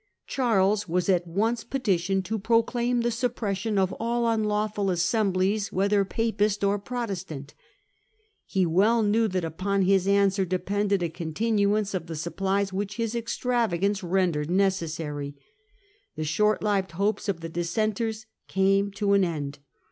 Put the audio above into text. Charles was at once petitioned to pro Failure of c * a * m suppression of all unlawful assemblies, of Charles's whether Papist or Protestant. He well knew toleration! that u P on his answer depended a continuance of the supplies which his extravagance rendered necessary. The short lived hopes of the Dissenters came to an end.